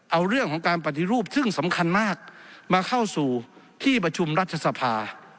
เอาเรื่องของการปฏิรูปซึ่งสำคัญมากมาเข้าสู่ที่ประชุมรัฐสภา